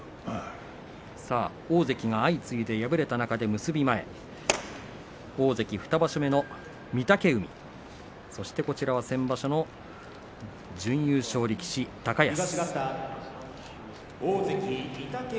大関が相次いで敗れた中で結び前で大関２場所目の御嶽海そしてこちらは先場所の準優勝力士、高安。